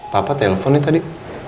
papa teleponnya tadi